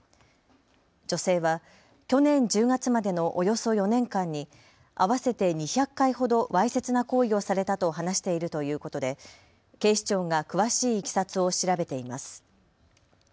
女性は去年１０月までのおよそ４年間に合わせて２００回ほどわいせつな行為をされたと話しているということで警視庁が詳しいいきさつを調べています。